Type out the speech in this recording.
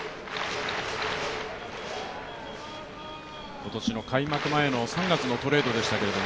今年の開幕前の３月のトレードでしたけど。